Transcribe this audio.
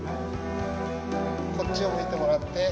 こっちを向いてもらって顔を。